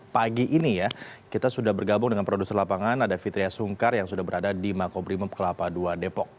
pagi ini ya kita sudah bergabung dengan produser lapangan ada fitriah sungkar yang sudah berada di makobrimob kelapa dua depok